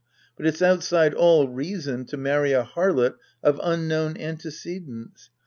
But it's outside all reason to marry a harlot of unknown antecedents.